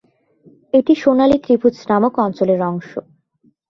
এটি সোনালী ত্রিভুজ নামক অঞ্চলের অংশ।